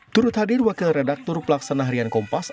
turut hadir wakil redaktor pelaksana harian kompas